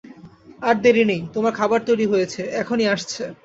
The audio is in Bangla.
আর দেরি নেই, তোমার খাবার তৈরি রয়েছে, এখনই আসছে।